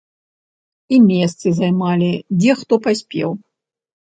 І месцы займалі, дзе хто паспеў.